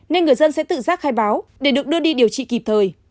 nên người dân sẽ tự giác khai báo để được đưa đi điều trị kịp thời